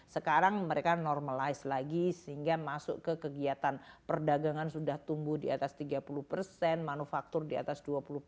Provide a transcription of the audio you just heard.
sekarang mereka normalize lagi sehingga masuk ke kegiatan perdagangan sudah tumbuh di atas tiga puluh persen manufaktur di atas dua puluh empat